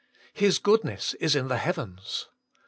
* His good * ness is in the heavens.'